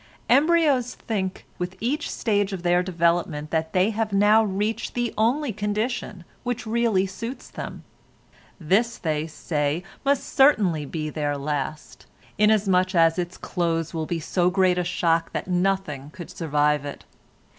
Embryos think with each stage of their development that they have now reached the only condition which really suits them. This, they say, must certainly be their last, inasmuch as its close will be so great a shock that nothing can survive it.